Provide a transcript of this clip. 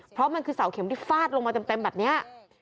เพราะมันคือเสาเข็มที่ฟาดลงมาเต็มแบบนี้